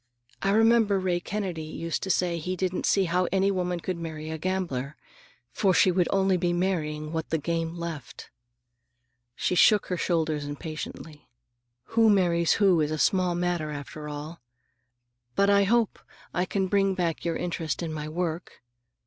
I remember Ray Kennedy used to say he didn't see how any woman could marry a gambler, for she would only be marrying what the game left." She shook her shoulders impatiently. "Who marries who is a small matter, after all. But I hope I can bring back your interest in my work.